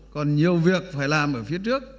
còn nhiều việc phải làm ở phía trước